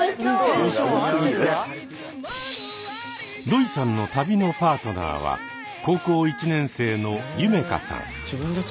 ロイさんの旅のパートナーは高校１年生のゆめかさん。